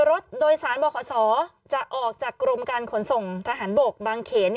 รถโดยสารบขศจะออกจากกรมการขนส่งทหารบกบางเขน